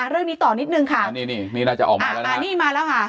เรื่องนี้ต่อนิดนึงค่ะอันนี้น่าจะออกมาแล้วค่ะ